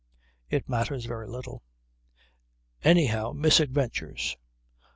It matters very little. Anyhow misadventures.